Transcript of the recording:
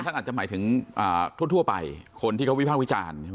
ท่านอาจจะหมายถึงทั่วไปคนที่เขาวิภาควิจารณ์ใช่ไหม